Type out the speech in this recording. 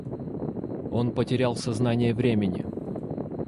Он потерял сознание времени.